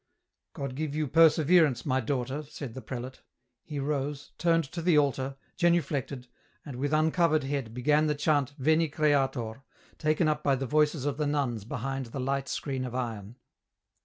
" God give you perseverance, my daughter," said the prelate ; he rose, turned to the altar, .genuflected, and with uncovered head began the chant " Veni Creator," taken up by the voices of the nuns behind the light screen of iron.